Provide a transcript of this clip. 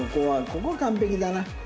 ここ完璧だな。